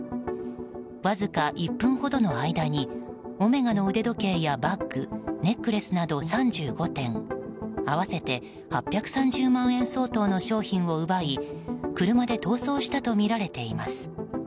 わずか１分ほどの間にオメガの腕時計やバッグネックレスなど３５点合わせて８３０万円相当の商品を奪い車で逃走したとみられています。